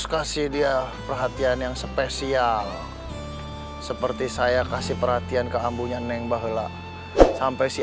kasih dia perhatian yang spesial seperti saya kasih perhatian ke ambunya neng bahela sampai si